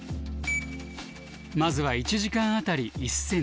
まずは１時間当たり１ｃｍ。